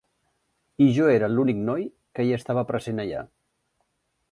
I jo era l"únic noi que hi estava present allà.